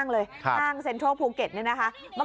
อันนี้ถ่ายจากคนที่อยู่ในรถบาร์